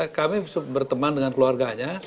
kami berteman dengan keluarganya